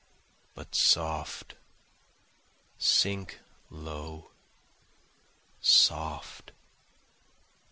But soft! sink low! Soft!